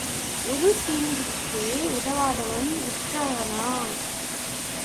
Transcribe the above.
உறு தீங்குக்கு உதவாதவன் உற்றவனா?